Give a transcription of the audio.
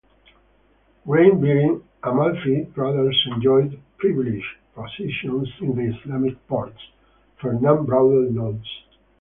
Grain-bearing Amalfi traders enjoyed privileged positions in the Islamic ports, Fernand Braudel notes.